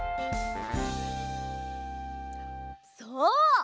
そう。